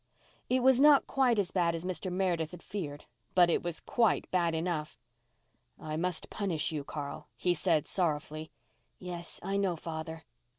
It was not quite as bad as Mr. Meredith had feared, but it was quite bad enough. "I must punish you, Carl," he said sorrowfully. "Yes, I know, father."